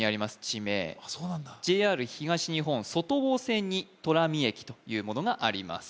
地名ＪＲ東日本外房線に東浪見駅というものがあります